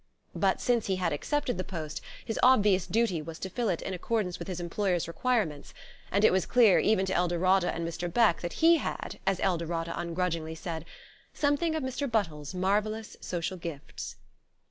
But since he had accepted the post, his obvious duty was to fill it in accordance with his employers' requirements; and it was clear even to Eldorada and Mr. Beck that he had, as Eldorada ungrudgingly said, "Something of Mr. Buttles's marvellous social gifts."